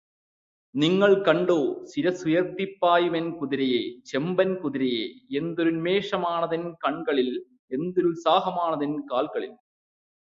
നിങ്ങൾ കണ്ടോ ശിരസ്സുയർത്തിപ്പയുമെൻ കുതിരയെ ചെമ്പൻ കുതിരയെ എന്തൊരുന്മേഷമാണതിൻ കൺകളിൽ എന്തൊരുത്സാഹമാണതിൻ കാൽകളിൽ